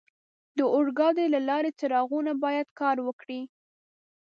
د اورګاډي د لارې څراغونه باید کار وکړي.